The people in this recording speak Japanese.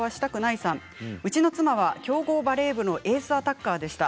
うちの妻は強豪バレー部のエースアタッカーでした。